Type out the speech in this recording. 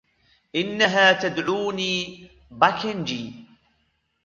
إنها تدعوني بكنجي.